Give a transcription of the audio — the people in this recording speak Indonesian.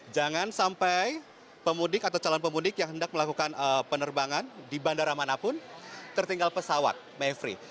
jangan sampai pemudik atau calon pemudik yang hendak melakukan penerbangan di bandara manapun tertinggal pesawat mevri